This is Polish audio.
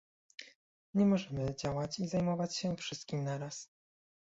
Nie możemy działać i zajmować się wszystkim na raz